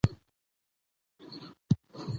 چې په لوستلو سره به يې